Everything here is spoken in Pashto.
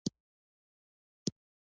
پسرلی د افغانستان د شنو سیمو ښکلا ده.